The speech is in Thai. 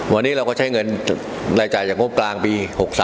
วันนี้เราก็ใช้เงินรายจ่ายจากงบกลางปี๖๓